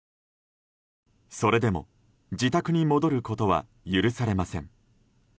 それでも自宅に戻ることは許されません。